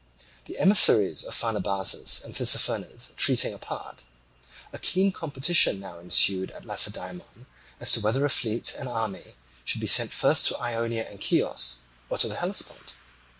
The emissaries of Pharnabazus and Tissaphernes treating apart, a keen competition now ensued at Lacedaemon as to whether a fleet and army should be sent first to Ionia and Chios, or to the Hellespont.